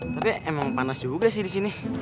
tapi emang panas juga sih di sini